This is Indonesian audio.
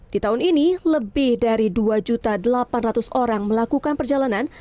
di tahun ini lebih dari dua delapan ratus orang melakukan perjalanan